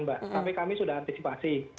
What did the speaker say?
mbak tapi kami sudah antisipasi